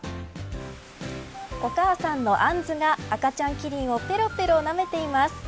お母さんの杏子が赤ちゃんキリンをぺろぺろなめています。